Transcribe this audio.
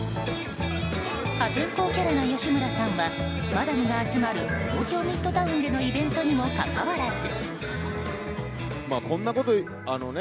破天荒キャラな吉村さんはマダムが集まる東京ミッドタウンでのイベントにもかかわらず。